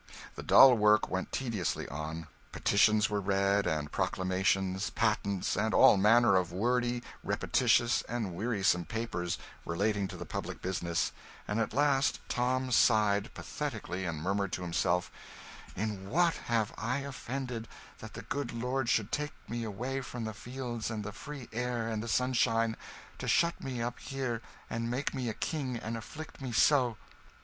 The dull work went tediously on. Petitions were read, and proclamations, patents, and all manner of wordy, repetitious, and wearisome papers relating to the public business; and at last Tom sighed pathetically and murmured to himself, "In what have I offended, that the good God should take me away from the fields and the free air and the sunshine, to shut me up here and make me a king and afflict me so?"